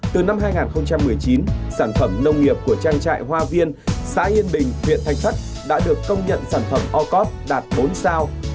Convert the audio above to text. từ năm hai nghìn một mươi chín sản phẩm nông nghiệp của trang trại hoa viên xã yên bình huyện thanh sắt đã được công nhận sản phẩm ocop đạt bốn sao